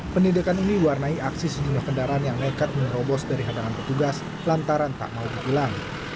penindakan ini warnai aksi sejumlah kendaraan yang nekat menerobos dari hadangan petugas lantaran tak mau ditilang